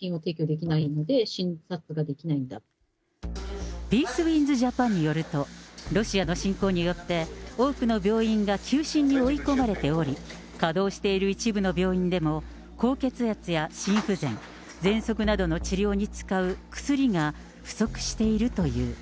ピースウィンズ・ジャパンによると、ロシアの侵攻によって、多くの病院が休診に追い込まれており、稼働している一部の病院でも、高血圧や心不全、ぜんそくなどの治療に使う薬が不足しているという。